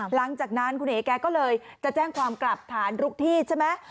หลังจากนั้นคุณเอ๋แกก็เลยจะแจ้งความกลับฐานลุกที่ใช่ไหม